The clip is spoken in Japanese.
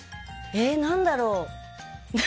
何だろう。